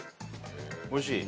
おいしい？